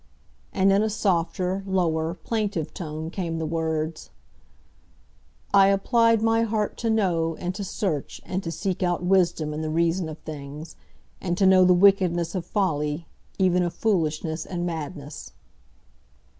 '" And in a softer, lower, plaintive tone came the words: "'I applied my heart to know, and to search, and to seek out wisdom and the reason of things; and to know the wickedness of folly, even of foolishness and madness.